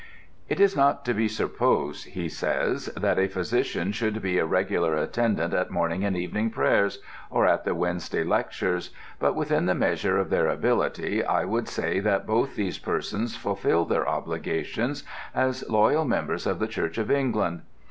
"It is not to be supposed," he says, "that a physician should be a regular attendant at morning and evening prayers, or at the Wednesday lectures, but within the measure of their ability I would say that both these persons fulfilled their obligations as loyal members of the Church of England.